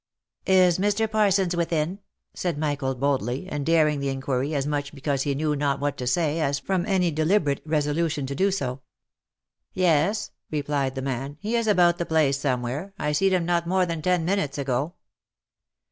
" Is Mr. Parsons within?" said Michael boldly, and daring the in quiry as much because he knew not what to say, as from any deliberate resolution to do so. " Yes,' 7 replied the man ;" he is about the place somewhere, I seed him not more than ten minutes ago."